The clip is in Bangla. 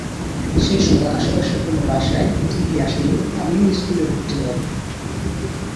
সেই সময় আশপাশের কোনো বাসায় টিভি আসেনি, আমিও স্কুলে ভর্তি হইনি।